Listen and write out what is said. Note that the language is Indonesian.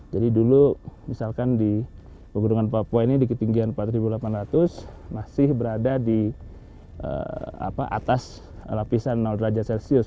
jadi dulu misalkan di pegerungan papua ini di ketinggian empat ribu delapan ratus masih berada di atas lapisan nol derajat celsius